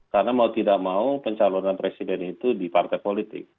karena mau tidak mau pencalonan presiden itu di partai politik